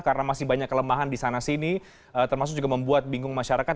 karena masih banyak kelemahan di sana sini termasuk juga membuat bingung masyarakat